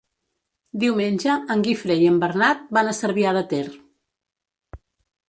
Diumenge en Guifré i en Bernat van a Cervià de Ter.